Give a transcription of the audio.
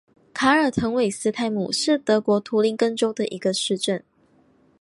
卡尔滕韦斯泰姆是德国图林根州的一个市镇。